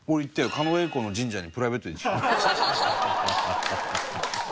狩野英孝の神社にプライベートで行ってきた。